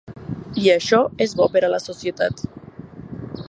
I això és bo per a la societat.